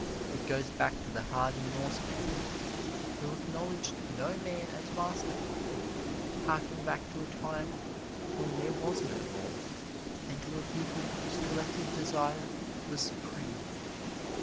It goes back to the hardy Norseman who acknowledged no man as master, harking back to a time when there was no law, and to a people whose collective desire was supreme.